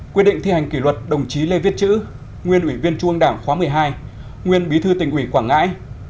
quyết định thi hành kỷ luật đồng chí lê viết chữ nguyên ủy viên trung ương đảng khóa một mươi hai nguyên bí thư tỉnh ủy quảng ngãi